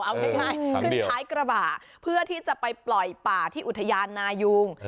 เอาเล็กน้อยขึ้นท้ายกระบะเพื่อที่จะไปปล่อยป่าที่อุทยานนายุง